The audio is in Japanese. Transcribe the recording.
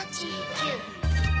９。